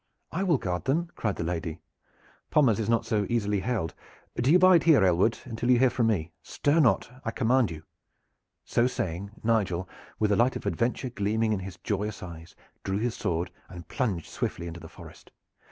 "I will guard them," cried the lady. "Pommers is not so easily held. Do you bide here, Aylward, until you hear from me. Stir not, I command you!" So saying, Nigel, with the light, of adventure gleaming in his joyous eyes, drew his sword and plunged swiftly into the forest.